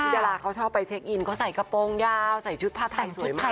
ดาราเขาชอบไปเช็คอินเขาใส่กระโปรงยาวใส่ชุดผ้าไทยสวยมาก